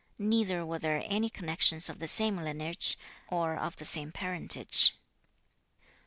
Neither were there any connections of the same lineage, or of the same parentage.